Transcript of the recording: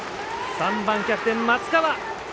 ３番キャプテン松川。